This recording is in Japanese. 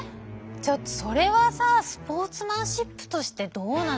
ちょっとそれはさスポーツマンシップとしてどうなんですか？